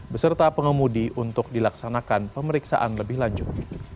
beserta pengemudi untuk dilaksanakan pemeriksaan lebih lanjut